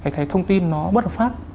và họ sẽ thấy thông tin nó bất hợp pháp